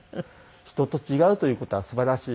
人と違うという事は素晴らしい。